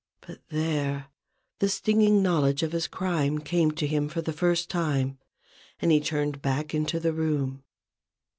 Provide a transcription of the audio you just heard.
But there the stinging knowledge of his crime came to him for the first time ; and he turned back into the room.